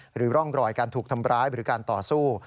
หรือร่องรอยการถูกทำร้ายหรือการต่อสู้